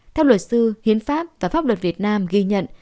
theo luật sư hiến pháp và pháp luật việt nam ghi nhận